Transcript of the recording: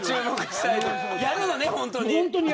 やるのね、本当に。